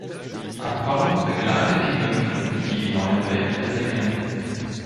Apollon begleitet die Nymphen die die neue Welt besingen.